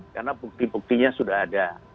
karena bukti buktinya sudah ada